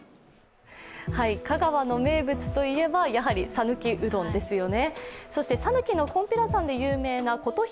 香川の名物といえばやはりさぬきうどんですよね。